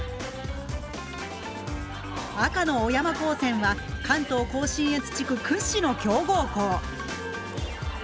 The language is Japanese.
赤の小山高専は関東甲信越地区屈指の強豪校。